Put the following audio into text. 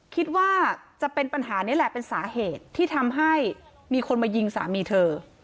คิดว่าจะเป็นปัญหานี้แหละเป็นสาเหตุที่ทำให้มีคนมายิงสามีเธอ